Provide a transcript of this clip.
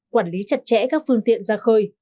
quản lý chặt chẽ các phương tiện ra khơi